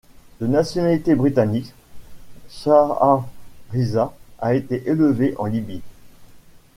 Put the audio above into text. De nationalité britannique, Shaha Riza a été élevée en Libye.